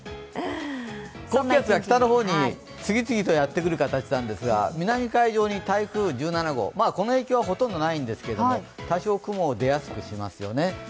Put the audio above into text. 高気圧が北の方へ次々とやってくる形なんですが南海上に台風１７号、まあこの影響はほとんどないんですけれども多少、雲を出やすいしますよね。